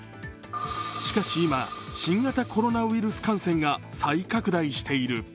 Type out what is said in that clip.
しかし今、新型コロナウイルス感染が再拡大している。